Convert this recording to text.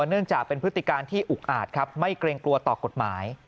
เนื่องจากเป็นพฤติการที่อุกอาจครับไม่เกรงกลัวต่อกฎหมาย